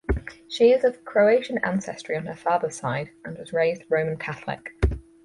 She is of Croatian ancestry on her father's side and was raised Roman Catholic.